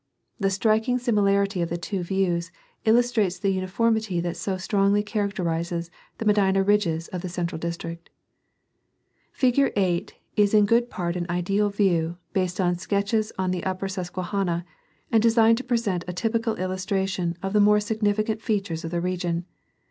* The striking similarity of the two views illustrates the uniformity that so strongly characterizes the Medina ridges of the central district. Fig. 8 is in good part an ideal view, based on sketches on the ■^"';;i!!Hv!^;:'''^^^^^^ Fm. 8. upper Susquehanna, and designed to present a typical illustration of the more significant features of the region.